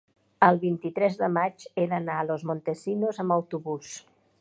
El vint-i-tres de maig he d'anar a Los Montesinos amb autobús.